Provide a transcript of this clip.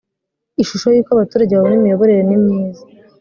ishusho y uko abaturage babona imiyoborere nimyiza.